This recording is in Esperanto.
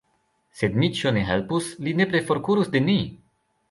Se Dmiĉjo ne helpus, li nepre forkurus de ni!